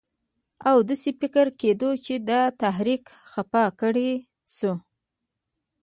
او داسې فکر کېده چې دا تحریک خفه کړی شو.